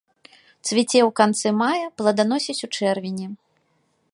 Цвіце ў канцы мая, пладаносіць у чэрвені.